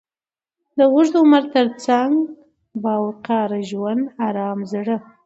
د اوږد عمر تر څنګ، با وقاره ژوند، ارام زړه،